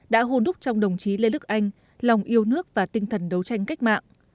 đã hôn đúc trong đồng chí lê đức anh lòng yêu nước và tinh thần đấu tranh cách mạng